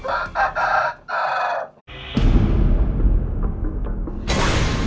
อ้าว